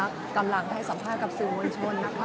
และที่อยู่ด้านหลังคุณยิ่งรักนะคะก็คือนางสาวคัตยาสวัสดีผลนะคะ